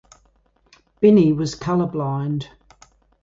Binney was color-blind.